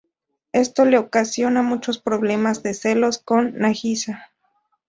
Esto le ocasiona muchos problemas de celos con Nagisa.